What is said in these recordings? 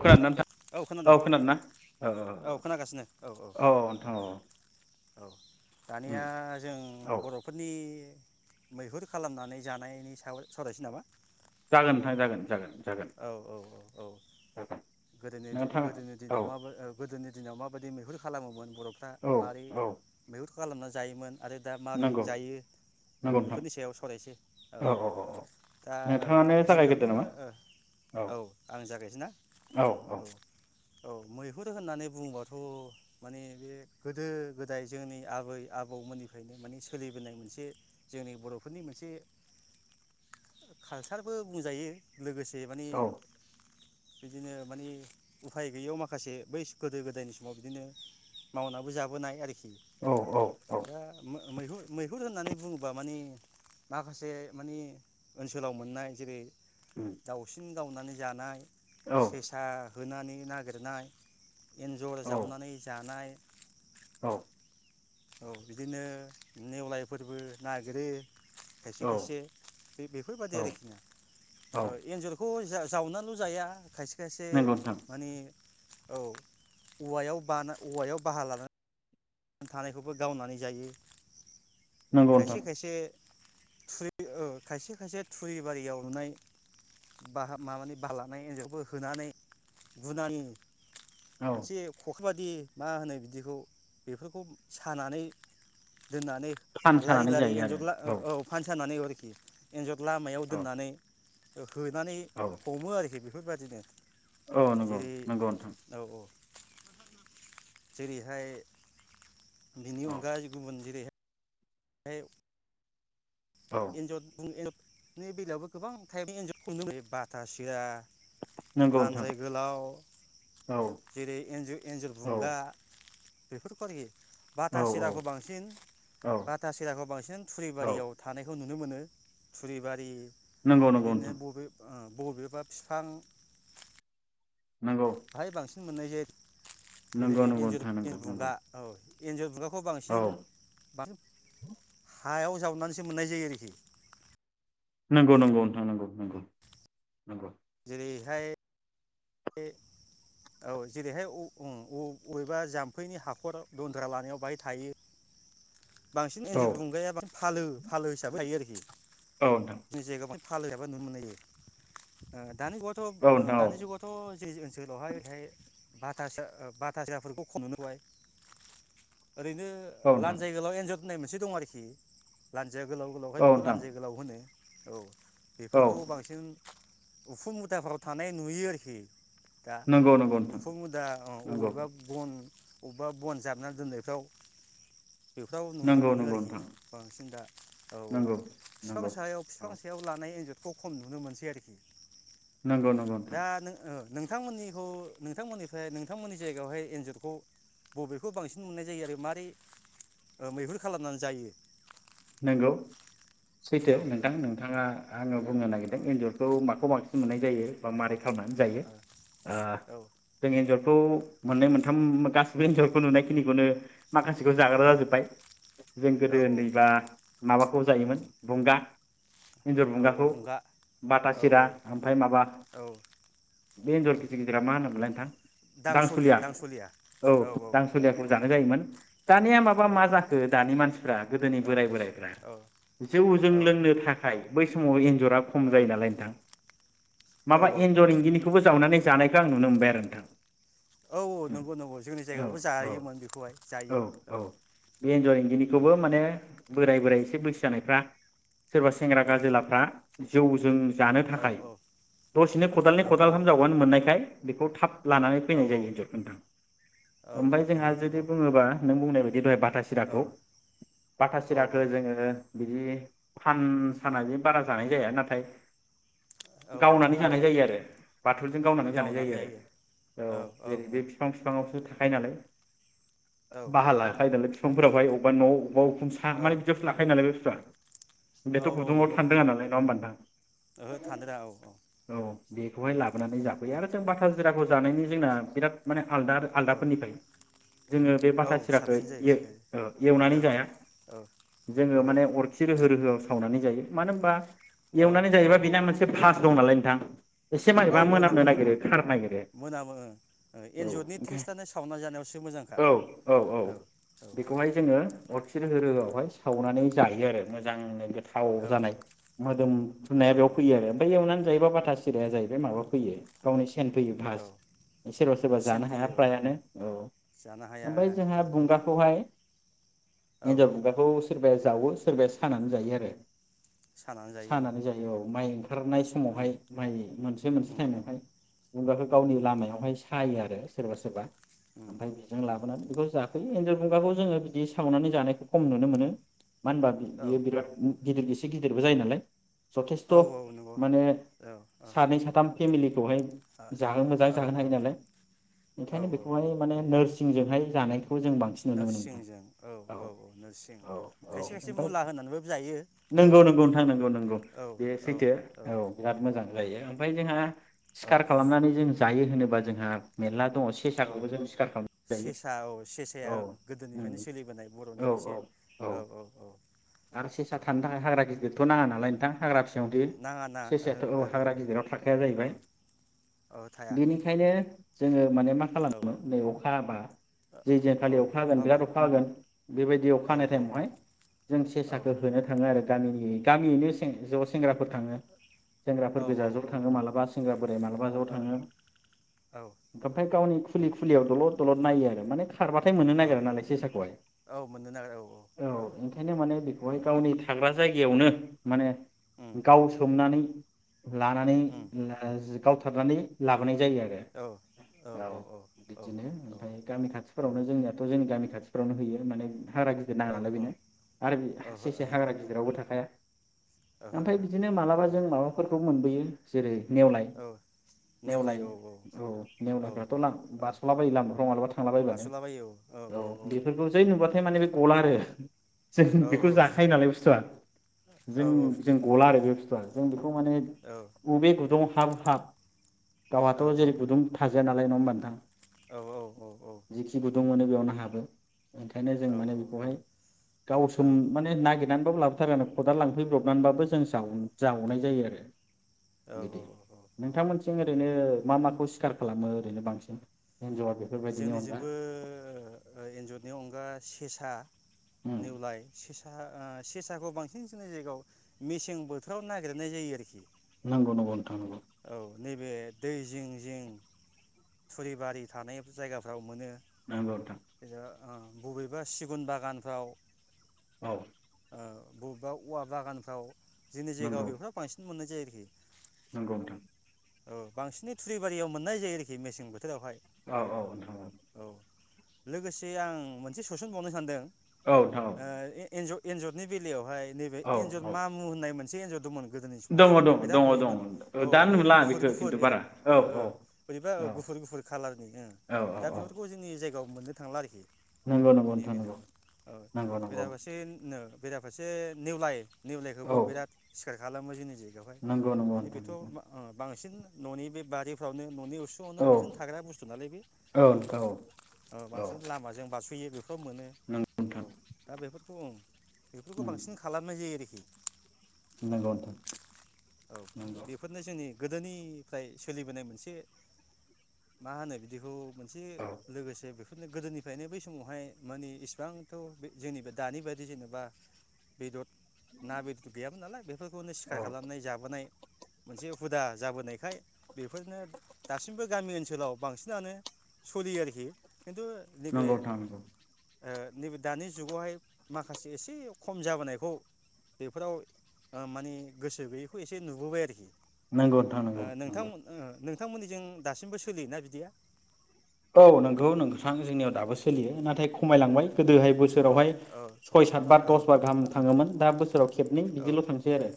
खोनादोना नोंथां? औ खोनादोना? औ औ औ औ नोंथां अ अ। औ। दानिया जों औ बर'फोरनि मैहुर खालामनानै जानायनि साव सावरायसै नामा? जागोन नोंथां जागोन जागोन जागोन जागोन। गोनि नोंथाङा गोदोनि औ दिनाव मा गोदोनि दिनाव माबायदि मैहुर खालामोमोन। बर'फ्रा औ माबारै औ मैहुर खालामना जायोमोन। आरो दा माबै नंगौ जायो औ नंगौ नोंथां बेफोरनि सायाव सरायसै औ औ दा औ नोंथाङानो जागायग्रोदो गिबियावनो नामा औ आं जागायसै ना। औ औ। औ मैहुर होननानै बुङोबाथ', माने बे गोदो गोदाय जोंनि आबै आबौमोननिफ्रायनो माने सोलिबोनाय मोनसे जोंनि बर'फोरनि मोनसे कालसारबो बुंजायो। लोगोसे माने औ बिदिनो मानि उफाय गैयैयाव माखासे बै गोदो गोदायनि समाव बिदिनो मावनाबो जाबोनाय आरोखि। औ औ औ दा मो मैहुर मैहुर होननानै बुङोबा मानि माखासे मानि ओनसोलाव मोननाय जेरै उम दाउसिन। गावनानै जानाय। औ सेसा होनानै नागिरनाय। एन्जर औ जावनानै जानाय। औ। औ बिदिनो नेवलाय फोरबो नागिरो। खायसे औ खायसे, बेफोरबायादि औ आरोखि। ना औ एन्जरखौ जा-जावनाल' जाया खायसे खायसे नंगौ नोंथां माने औ औवायाव बान औवायाव बाहा लानानै थानायखौबो गावनानै जायो नंगौ खायसे नोंथां खायसे थुरि खायसे खायसे थुरि बारियाव लुनाय बाहा माबानि बालानाय एन्जरखौ होनानै गुनानि औ मोनसे फ फोरबादि मा होनो बिदिखौ बेफोरखौ सानानै दोननानै सान लारि सानानै लारि जायो आरो एन्जर औ फानसानानै आरोखि एनजर लामायाव औ दोननानै औ होनानै औ हमो आरोखि बे बेफोरबायदिनो औ नंगौ नंगौ नोंथां औ जेरैहाय बिनि औ अनगा गुबुन जेरैहाय [unintelligible] औ एन्जर बुं एन्जर नि बेलायावबो गोबां टाइमनि एन्जर [unintelligible] बाथा सिरा नंगौ नोंथां लान्जाय गोलाव औ जेरै एन्ज एन्जर औ बुंगा बेफोर [unintelligible] औ बाटा औ सिराखौ बांसिन औ बाथा सिराखौ बांसिन औ थुरिबारियाव थानायखौ नुनो मोनो थुरिबारि नंगौ नंगौ बिदिनो नोंथां बबे आ बबेबा बिफां नोंगौ बाहाय बांसिन मोननाय जे जेरै एन्जर नोंथां नंगौ नंगौ एन्जर बगा औ [unintelligible] खौ बांसिन बां हायाव जावनानैसो मोननाय जायो आरोखि नंगौ नंगौ नोंथां नंगौ नंगौ नंगौ बेहाय बे औ जेरैहाय औ अबेबा जाम्फैनि हाखर दन्द्रा लानायाव बाहाय थायो। बांसिन औ एन्जर बुंगाया बां फालो फालो हिसाबै थायो आरोखि। औ नोंथां जि जायगाव बां फालो एबा नुनो मोननाय जायो ओ दानि गथब औ ओ नोंथां औ दानि जुगा ज जै ओनसोलावहाय ओरैहाय बाथासो बाथा साफोरखौ खम नुबाय। ओरैनो औ नोंथां लानजाय औ गोलाव एन्जर होनाय मोनसे दं आरोखि लान जे गोलाव गोलावहाय बेखौ नोंथां लान्जाय गोलाव होनो। औ। औ बेफोरखौ बांसिन उखुं मुदाफोराव थानाय नुयो आरोखि खि। दा नंगौ नंगौ नोंथां उखुम मोदा ओं नंगौ अबेबा बन अबेबा बन जाबना दोननायफ्राव बेफोराव नुनो नंगौ मोनो नंगौ आरोखि नोंथां बांसिन दा औ औ नंगौ फिफां नंगौ सायाव फिफां औ सायाव लानाय एन्जर खौ खम नुनो मोनसै आरोखि। नंगौ नंगौ नोंथां। ओ नोंथांमोननिखौ नोंथांमोननिफ्राय नोंथांमोननि जायगायावहाय एन्जरखौ बबेखौ बांसिन मोननाय जायो आरो मारै मैहुर खालामनानै जायो? नंगौ सैथो औ नोंथां नोंथांङा आंओ बुंनो औ नागिरदों एन्जरखौ माखौ बांसिन मोननाय जायो बा मारै खालामनानै जायो ओ औ जों एन्जर खौ मोननै मोनथाम गासिबो एनजर नुनायखिनिखौनो माखासेखौ जाग्रा जाजोब्बाय जों औ गोदो उन्दैबा माबाखौ जायोमोन गंगा [unintelligible] एन्जर औ औ बुंगाखौ बुंगा बाथा औ सिरा औ ओमफ्राय माबा औ बे औ एन्जर गिदिर गिदिरा मा होनोमोनलाय नोंथां दांसलिया औ दांसलियाखौ जानाय जायोमोन। दानिया माबा औ मा जाखो दानि मानसिफ्रा गोदोनि औ बोराइफ्रा जौ जों औ लोंनो थाखाय बै समाव एन एनजर आ खम जायो औ नालाय नोंथां औ माबा एनजर इंगिनिखौबो‌ जावनानै जानायखौ आं नुनो मोनबाय आरो नोंथां। औ औ नंगौ नंगौ जोंनि औ जायगायावबो जायोमोन औ बेखौहाय औ औ जायो बे एन्जर औ औ इंगिनिखौबो माने बोराय बोराय एसे बैसो जानायफ्रा सोरबा सेंग्रा औ गाजिलाफ्रा जौजों जानो औ थाखाय दसेनो खदालनि औ खदालथाम जावबानो मोननायखाय बेखौ थाब लानानै औ फैनाय जायो इन्जरखौ नोंथां औ औ ओमफ्राय जोंहा नंगौ जुदि नंगौ बुङोबा नों बुंनायायदि दहाय ब औ सिराखौ [unintelligible] जोङो बि फान साना जि बारा जानाय जाया नाथाय औ गावनानै जानाय जायो आरो बाथुलजों गावनानै जानाय जायो आरो औ जेरै बे बिफां बिफांआवसो नालाय औ बाहा लाखायो नालाय बिफां फोरावाहाय अबावबा न' बबाव ह औ माने बिदियावस लाखायो नालाय बे बुस्थुआ औ बेथ' औ गुदुङाव नंगौ नंगौ थांदों नालाय नङा होमबा नथां ओहो थानो औ औ औ बेखौहाय औ लाबोनानै जाफैयो आरो जों बाथा जिराखौ जानायनि जोंना बिराद माने आलदा औ आलदाफोरनिफ्राय जोङो बे बाथा औ सिराखौ साबसिन जायो एवनानै औ जाया औ जोङो ओहो औ माने अरखि रोहो रोहोआव सावनानै जायो मानो होनबा एवनानै औ जायोबा बिना मोनसे फास दं नालाय थां एसे माबेबा औ मोनामनो नंगौ नंगौ नागिरो खारनो नागिरो मोनामो औ एन्जरनि गा टेस्टआनो सावना जानायावसो मोजांखा औ औ औ बेखौहाय जोङो। अरखि रोहो रोहोआव बौहाय सावनानै जायो आरो मोजांनो गो थाव औ जानाय। मोदोम फुनाया औ बेयाव औ फैयो आरो ओमफ्राय एनानै जायोबा बाथा सिराया जाहैबाय माबा फैयो गावनि सेन फैयो औ भास सोरबा सोरबा सेन जानो हाया फैयो औ फ्रायानो औ जानो हाया ओमफ्राय जोंहा बुंगाखौहाय एनजर औ बुंगा सोरबाया जावो सोरबाया सानानै जायो आरो ‌। जायो औ सानानै जायो। औ माइ ओंखारनाय उम समावहाय माइ मोनसे मोनसे उम टाइमावहाय बुंगाखौ गावनि उम लामायावहाय सा सायो आरो सोरबा सोरबा। उम ओमफाय बिजों उम लाबोनानै बेखौ जाफै एन्जर बुंगाखौ जोङो बिदि सावनानै जानायखौ खम नुनो मोनो। मानो होनबा औ बियो बिराद गिदिर गिस [unintelligible] गेदेरबो जायो नालाय। जथेस्थ' औ औ नंगौ माने औ औ सानै साथाम फेमिलिखौहाय औ जाहो मोजां जाहोनो हायो नालाय औ ओंखायनो औ बेखौहाय माने औ नोरसिंजोंहाय जानाय खौ जों बांसिन नुनो मोनो नोंथां। औ औ औ खायसे खायसे ओमफाय मुला होनानैबो जायो औ नंगौ नंगौ नोंथां नंगौ नंगौ औ बे औ सैथो औ बिराद मोजां औ जायो ओमफाय जोंहा औ सिखार खालामनानै जों जा जायो होनोबा जोंहा मेरला दङ औ सेसाखौबो जों सिखार खालामनानै जायो सेसा औ सेसाया औ उम गोदोनिफ्रायनो सोलिबोनाय बर' नि औ मोनसे औ औ औ औ औ। दिरथ' नाङा नालाय नोंथां। हाग्रा फिसायावनोदि नाङा ना ओहो सेसाया'थ' ओहो हाग्रा गिदिराव थाखाया जाहैबाय ओहो औ औ थाया बिनिखायनो जोङो माने मा औ खालामोन नै अखा हाबा ओ औ अखा जैजोखालि अखा होगोन हाबा बिराद अखा होगोन बेबायदि अखा औ हानाय टाइमावहाय जों औ सेसाखौ होनो थाङो आरो गामि [unintelligible] गामियैनो सें ज' सेंग्राफोर थाङो सेंग्राफोर औ ओ गोजा ज' ओ थाङो मालाबा सेंग्रा बोराइ मालाबा ज' थाङो गोफाय गावनि औ खुलि खुलिआव दलद दलद नायो आरो माने खारबाथाय मोननो औ नागिरा नालाय सेसाखौहाय। औ मोननो नागिरा औ ओंखायनो माने औ बेखौहाय गावनि थाग्रा जायगायावनो माने उम गाव सोमनानै लानानै उम ला जि गावथारनानै लाब बोनाय जायो आरो औ औ बिदिनो ओमफाय गामि खाथिफोरावनो जोंनियाथ' जोंनि गामि खाथि फ्रावनो हैयो माने हाग्रा गिदिर औ नाङा नालाय औ बेनो आरो बे सेसाया हाग्रा गिदिरावबो थाखाया। ओहो ओहो ओमफाय बिदिनो मालाबा ओ जों माबाफोरखौ मोनबोयो जेरै नेवलाय औ नेवलाय औ औ नेवलायफ्राथ' लाम औ बारस'लाबायो लामाफ्राव मालाबा थांला बायबानो औ बेफोरखौ जै नुबा औ फाय माने बे ग'ला आरो जों औ बेखौ औ जाखायो नालाय बुस्थुआ जोंजों गला आरो बे बुुस थुवा जों खौ माने औ बबे गुदुङाव हाब हाब गावहाथ' जेरै गुदुं थाजायाना जायो नङा होनबा नोंथां‌। औ औ औ औ। नो हाबो। बेखायनो जों माने बेखौहाय गावसोम माने नागिरो नानैबाबो लाबोथारो आरो खदाल लांफैब्रबनानैबाबो जों जावनाय जायो आरो। बिदि नोंथांमोननिथिं औ औ ओरैनो मा माखौ सिखार खालामो ओरैनो बांसिन? एन्जर बेफोरबायदिनि अनगा जोंनिजोंबो एन्जरनियाव बा सेसा उम नेवलाय सेसा ओ सेसाखौ बांसिन जोंनि जायगायाव मेसें बोथोराव नागिरनाय जायो आरोखि। नंगौ नंगौ नोंथां नंगौ। औ नैबे दै जिं जिं थुरिबारि थानाय जायगाफ्राव मोनो नंगौ नोंथां। ओ बबेबा सिगुन बागानफ्राव औ। ओ बबेबा औवा बागानफ्राव जोंनि नंगौ जायगायाव बेफोर बांसिन मोननाय जायो। [inaudible] नंगौ नोंथां। औ बांसिनै थुरिबारियाव मोननाय जायो आरोखि मेसें बोथोरावहाय। औ औ नोंथां औ। लोगोसे आं मोनसे सुइसन बावनो सानदों औ नोंथां ओ एन्ज एन्जरनि बेलायावहाय नैबे औ एन्जर औ मा मु होननाय मोनस [inaudible] दंमोन। गोदोनि दङ समावहाय दङ बिराद दङ दङ नुयोमोन औ दा बे नुला गुफुर बेखौ गुफुर खिन्थु बारा औ ओ औ बोरैबा औ गुफुर गुफुर कालारनि औ औ दा औ बेफोरखौ जोंनि जायगायाव मोननो थांला आरोखि। नंगौ नंगौ बेनि नोंथां नंगौ बेलायावबो औ नंगौ नंगौ बेराबसे नो बेराफारसे निवलाय निवलायखौबो औ बिराद सिखार खालामो जोंनि जायगायावहाय नंगौ नंगौ माने बेथ' नोंथां बांसिन न'नि बे बारिफ्रावनो न'नि असुंआवनो औ बांसिन थाग्रा बुस बे औ औ बांसिन लामाजों बारसयो बे सम' मोनो नंगौ औ नोंथां दा बे उम। बेफोरखौ बांसिन खालामनाय जायो आरोखि। औ नोंगौ नोंथां औ माने नोंगौ। बेफोरनो जोंनि गोदोनिफ्राय सोलिबोनाय मोनसे मा होनो बिदिखौ? मोनसे औ लोगोसे बेखौ गोदोनिफ्रायनो बै समावहाय मानि इसिबांथ' बे जोंनि बे दानि बायदि जेनेबा बेदर ना, बेदर गैयामोन नालाय बेफोरखौनो सिखार औ खालामनाय जाबोनाय मोनसे हुदा जाबोनायखाय बेफोरनो दासिमबो गामि ओनसो लाव बांसिनानो सोलियो आरोखि। खिन्थु नैबे नंगौ नोंथां नंगौ ओ नैबे दानि जुगावहाय माखासे एसे खम जाबोनायखौ बेफोराव माने गोसो गैयैखौ एसे नुबोबाय आरोखि। नंगौ नोंथां ओ नंगौ नोंथां नंगौ। ओ नोंथांमोननिजों दासिमबो सोलियोना बिदिया? औ नंगौ नोंथां जोंनियाव दाबो सोलियो नाथाय खमायलांबाय गोदोहाय बो सोरावहाय औ सय सात बार औ दस बार गाहाम थाङोमोन दा बोसोराव खेबनै औ बिदिल' थांसै आरो।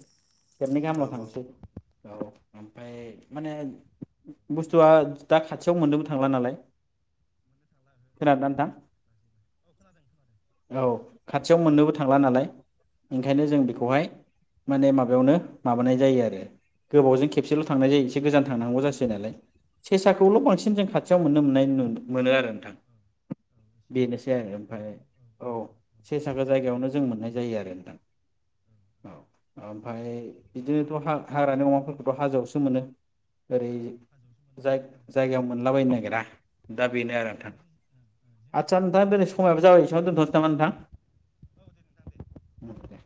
खेबनै औ गाहामल' थांसै औ औ। ओमफाय माने बुस्थुआ दा खाथियाव मोननोबो थांला नालाय। खोनादोंना नोंथां? औ खोनादों। औ खाथियाव मोननोबो थांला नालाय ओंखायनो जों बेखौहाय माने माबायावनो माबानाय जायो आरो गोबावजों खेबसेल' थांनाय जायो एसे गोजान थांनांगौ जासै नालाय सेसाखौल' बांसिन जों खाथियाव मोननो मोननाय मोनो आरो नोंथां। बेनोसै आरो ओमफाय औ सेसाखो जायगायावनो जों मोननाय जायो आरो नोंथां औ ओमफ्राय बिदिनोथ' हा हाग्रानि अमाफोरखौथ' हाजोआवसो मोनो। ओरै जाय जायगायाव मोनलाबायनो नागिरा दा बेनो आरो नोंथां आतसा नोंथांआ बे समायाबो जाबाय बेसेआवनो दोनथ'निसै नामा नोंथां उम दे